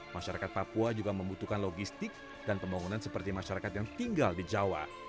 masyarakat papua juga membutuhkan logistik dan pembangunan seperti masyarakat yang tinggal di jawa